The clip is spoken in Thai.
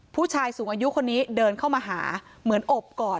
ผู้ชายสูงอายุคนนี้เดินเข้ามาหาเหมือนอบก่อน